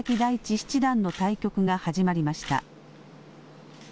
七段の対局が始まりました。